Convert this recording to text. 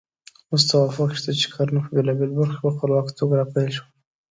اوس توافق شته چې کرنه په بېلابېلو برخو کې په خپلواکه توګه راپیل شوه.